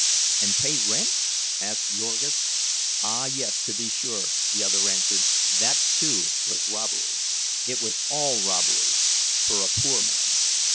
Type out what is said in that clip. And pay rent? asked Jurgis. Ah, yes, to be sure, the other answered, that too was robbery. It was all robbery, for a poor man.